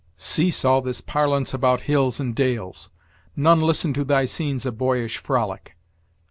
"Cease all this parlance about hills and dales. None listen to thy scenes of boyish frolic.